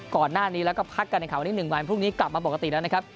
ก่อนหน้านี้แล้วก็พักการแข่งขันวันนี้๑วันพรุ่งนี้กลับมาปกติแล้วนะครับ